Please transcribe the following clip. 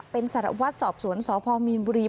เป็นสารวัตรสอบสวนสพมีนบุรี